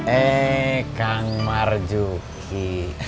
eh kang marjuki